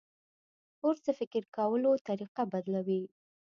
کورس د فکر کولو طریقه بدلوي.